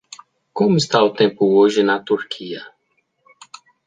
Como está o tempo hoje na Turquia?